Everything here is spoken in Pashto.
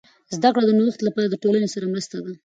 زده کړه د نوښت لپاره د ټولنې سره مرسته ده.